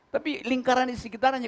tapi lingkaran di sekitarannya